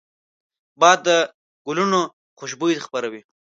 باد د ګلونو خوشبويي خپروي